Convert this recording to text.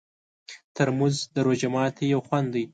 ترموز د روژه ماتي یو خوند دی.